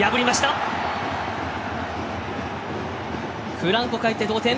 フランコ、かえって同点！